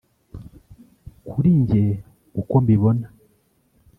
Kuri njye uko mbibona